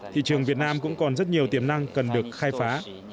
thị trường việt nam cũng còn rất nhiều tiềm năng cần được khai phá